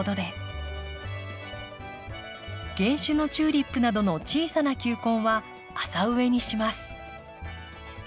原種のチューリップなどの小さな球根は浅植えにします。